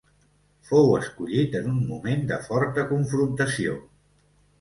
Fou escollit en un moment de forta confrontació.